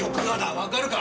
わかるか？